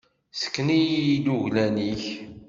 Sken-iyi-d uglan-ik.